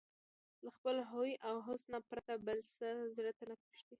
له خپل هوى او هوس نه پرته بل څه زړه ته نه پرېږدي